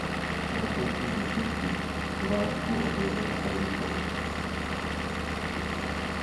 Francouzský zdrcující porážku a byl zajat Angličany.